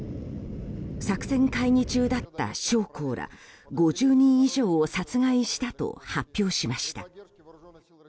作戦会議中だった将校ら５０人以上を殺害したと発表しました。